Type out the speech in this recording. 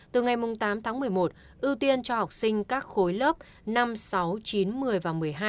từ ngày tám tháng một mươi một ưu tiên cho học sinh các khối lớp năm sáu chín một mươi và một mươi hai